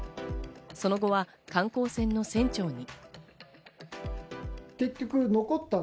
その後は観光船の船長に。